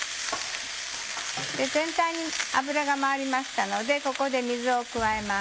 全体に油が回りましたのでここで水を加えます。